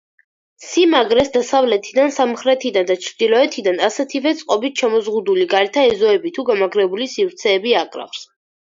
სიმაგრეს დასავლეთიდან, სამხრეთიდან და ჩრდილოეთიდან ასეთივე წყობით შემოზღუდული გარეთა ეზოები თუ გამაგრებული სივრცეები აკრავს.